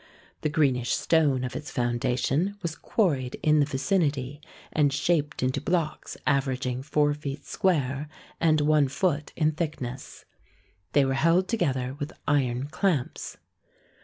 The greenish stone of its foundation was quarried in the vicinity, and shaped into blocks averaging four feet square and one foot in thickness. They were held together with iron clamps.